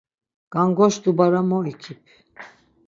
Gangoş dubara mo ikip.